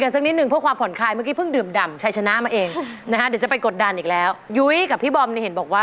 สนิทกันขนาดไหน